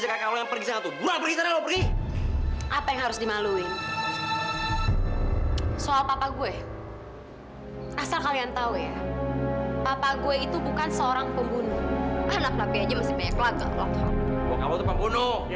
sampai jumpa di video selanjutnya